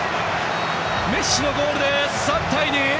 メッシのゴールで３対２！